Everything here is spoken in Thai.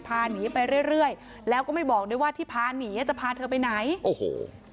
พาหนีไปเรื่อยเรื่อยแล้วก็ไม่บอกด้วยว่าที่พาหนีอ่ะจะพาเธอไปไหนโอ้โห